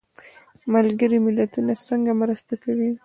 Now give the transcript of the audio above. ملګري ملتونه څنګه مرسته کوي؟